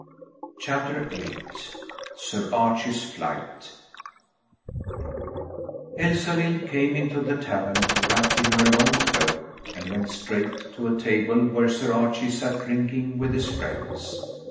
CHAPTER VIII SIR ARCHIE'S FLIGHT Elsalill came into the tavern wrapt in her long cloak and went straight to a table where Sir Archie sat drinking with his friends.